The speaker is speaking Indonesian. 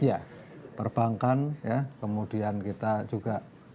ya perbankan ya kemudian kita juga